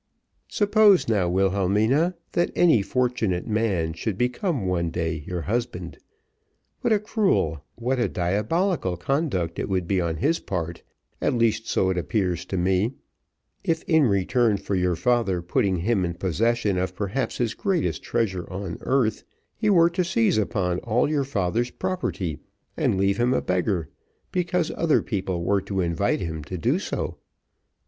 Suppose now, Wilhelmina, that any fortunate man should become one day your husband: what a cruel what a diabolical conduct it would be on his part at least, so it appears to me if, in return for your father putting him in possession of perhaps his greatest treasure on earth, he were to seize upon all your father's property, and leave him a beggar, because other people were to invite him so to do."